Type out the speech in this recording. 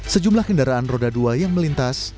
sejumlah kendaraan roda dua yang melintas